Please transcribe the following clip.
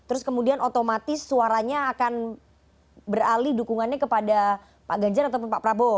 terus kemudian otomatis suaranya akan beralih dukungannya kepada pak ganjar ataupun pak prabowo